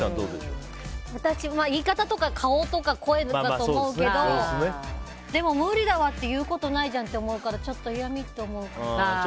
私は言い方とか顔とか声だと思うけどでも、無理だわって言うことないじゃんって思うからちょっと嫌みって思うかも。